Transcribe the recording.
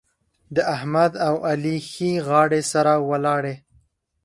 د احمد او علي ښې غاړې سره ولاړې.